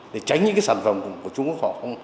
để tránh những cái sản phẩm của trung quốc